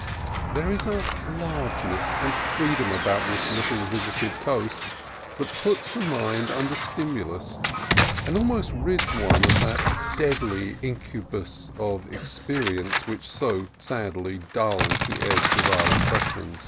There is a largeness and free dom about this little visited coast that puts the mind under stimulus, and almost rids one of that deadly incubus of experience which so sadly dulls the edge of our impressions.